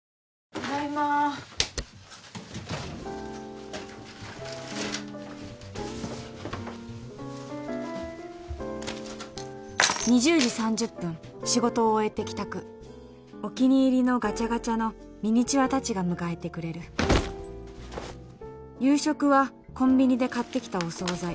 ただいま２０時３０分仕事を終えて帰宅お気に入りのガチャガチャのミニチュア達が迎えてくれる夕食はコンビニで買ってきたお惣菜